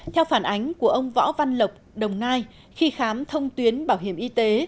theo phản ánh của ông võ văn lộc đồng nai khi khám thông tuyến bảo hiểm y tế